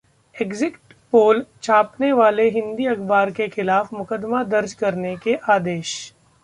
exit poll छापने वाले हिंदी अखबार के खिलाफ मुकदमा दर्ज करने के आदेश